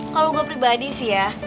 kalau gue pribadi sih ya